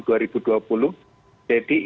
jadi ini bukan sesuatu yang